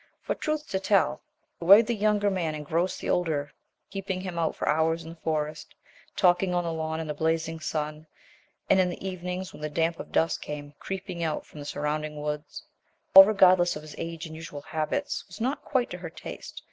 For, truth to tell, the way the younger man engrossed the older, keeping him out for hours in the Forest, talking on the lawn in the blazing sun, and in the evenings when the damp of dusk came creeping out from the surrounding woods, all regardless of his age and usual habits, was not quite to her taste.